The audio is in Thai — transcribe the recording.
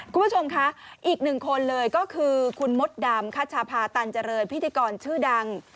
คุณผู้ชมคะอีกหนึ่งคนเลยก็คือคุณมดดำคัชภาตันเจริญพิธีกรชื่อดัง